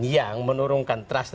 yang menurunkan trustnya